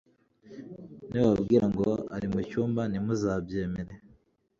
nibababwira ngo ari mu cyumba ntimuzabyemere,